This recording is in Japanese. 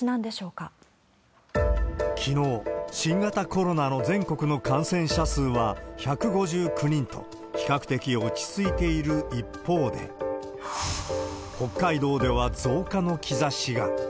きのう、新型コロナの全国の感染者数は１５９人と、比較的落ち着いている一方で、北海道では増加の兆しが。